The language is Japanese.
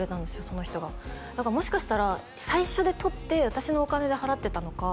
その人がだからもしかしたら最初で取って私のお金で払ってたのか